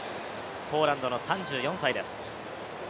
ポーランドの３４歳です。